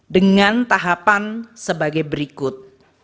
dengan tahapan sebagai berikut